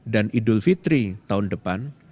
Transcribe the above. dan idul fitri tahun depan